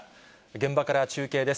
現場から中継です。